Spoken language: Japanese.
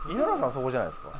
そこじゃないすか？